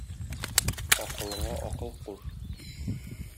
Акылыңа акыл куш.